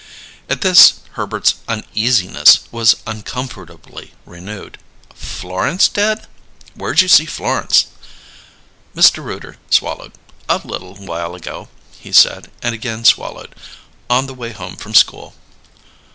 At this Herbert's uneasiness was uncomfortably renewed. "Florence did? Where'd you see Florence?" Mr. Rooter swallowed. "A little while ago," he said, and again swallowed. "On the way home from school."